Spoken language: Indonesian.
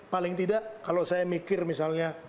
paling tidak kalau saya mikir misalnya